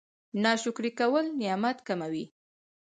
ناشکري کول نعمت کموي